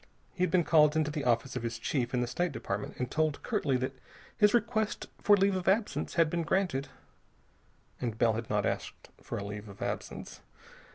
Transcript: He had been called into the office of his chief in the State Department and told curtly that his request for leave of absence had been granted. And Bell had not asked for a leave of absence.